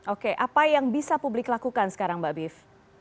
oke apa yang bisa publik lakukan sekarang mbak biv